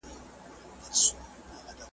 هر لعل یې بدخشي شو، هر یاقوت یې یماني